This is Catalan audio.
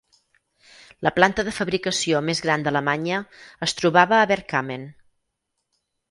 La planta de fabricació més gran d'Alemanya es trobava a Bergkamen.